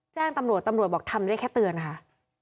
แจ้งตำรวจตำรวจบอกทำได้แค่เตือนค่ะ